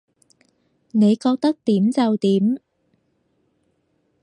你覺得點就點